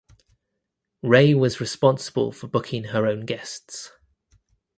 Ray was responsible for booking her own guests.